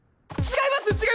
違います！